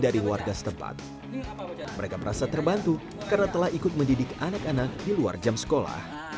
dari warga setempat mereka merasa terbantu karena telah ikut mendidik anak anak di luar jam sekolah